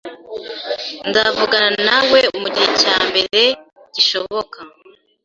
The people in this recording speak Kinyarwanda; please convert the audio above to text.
Nzavugana nawe mugihe cyambere gishoboka